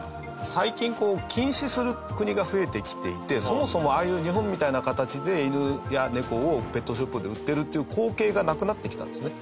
最近、禁止する国が増えてきていてそもそも、ああいう日本みたいな形で、犬や猫をペットショップで売ってるという光景がなくなってきたんですね。